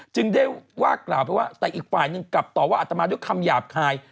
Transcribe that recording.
จึงได้ว่ากล่าวไปว่าแต่อีกฝ่ายหนึ่งกลับต่อว่าอัตมาด้วยคำหยาบคาย